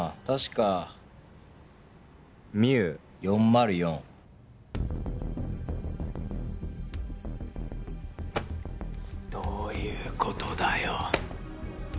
確かＭＩＵ４０４どういうことだよ